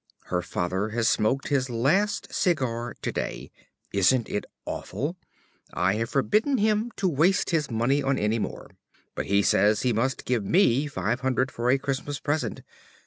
Her Father has smoked his last cigar to day. Isn't it awful? I have forbidden him to waste his money on any more, but he says he must give me 500 for a Christmas present.